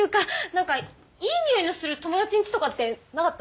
何かいい匂いのする友達んちとかってなかった？